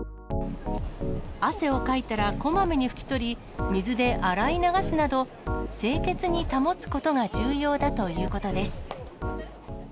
汗をかいたらこまめに拭き取り、水で洗い流すなど、清潔に保つことが重要だということです。